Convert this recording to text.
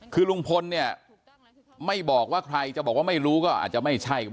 คือลุงพลเนี่ยไม่บอกว่าใครจะบอกว่าไม่รู้ก็อาจจะไม่ใช่